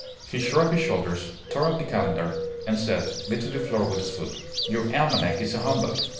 He shrugged his shoulders, tore up the calendar, and said, beating the floor with his foot, "Your almanac is a humbug!"